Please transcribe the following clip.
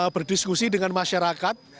berdiskusi dengan masyarakat